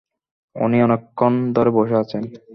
উনি অনেকক্ষণ ধরে বসে আছেন।